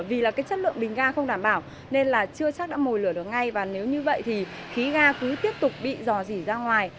vì là cái chất lượng bình ga không đảm bảo nên là chưa chắc đã mồi lửa được ngay và nếu như vậy thì khí ga cứ tiếp tục bị dò dỉ ra ngoài